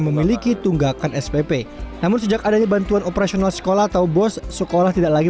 memiliki tunggakan spp namun sejak adanya bantuan operasional sekolah atau bos sekolah tidak lagi